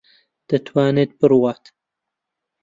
دەتوانێت بڕوات.